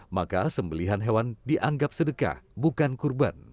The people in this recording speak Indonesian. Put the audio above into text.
maka sembelihan hewan dianggap sedekah bukan kurban